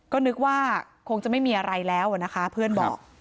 ก็นึกว่าคงจะไม่มีอะไรแล้วนะคะเพื่อนบอก